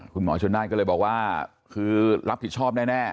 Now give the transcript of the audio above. คุณหมอชนน่านก็เลยบอกว่าคือรับผิดชอบแน่